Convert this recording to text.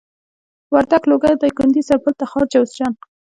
وردک لوګر دايکندي سرپل تخار جوزجان